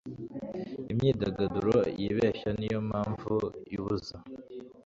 imyidagaduro yibeshya niyo mpamvu ibuza